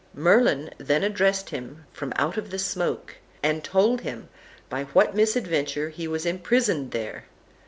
Merlin then addressed him from out the smoke, and told him by what misadventure he was imprisoned there.